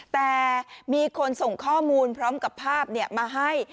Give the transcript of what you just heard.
แต่มีคนส่งข้อมูลพร้อมกับภาพมาให้